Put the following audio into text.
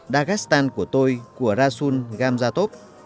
dagestan của tôi của rasul gamzatov